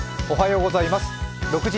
おはようございます。